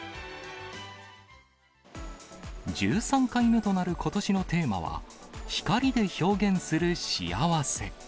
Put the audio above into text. １３回目となることしのテーマは、光で表現する幸せ。